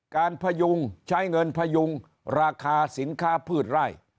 พยุงใช้เงินพยุงราคาสินค้าพืชไร่